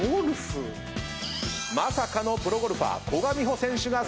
⁉まさかのプロゴルファー古閑美保選手が参戦！